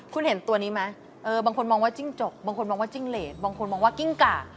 คุณเห็นตัวนี้ไหมบางคนมองว่าจิ้งจกบางคนมองว่าจิ้งเลสบางคนมองว่ากิ้งกะ